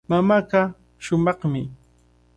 Mamaaqa shumaqmi.